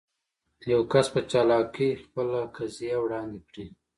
يو کس په چالاکي خپله قضيه وړاندې کړي.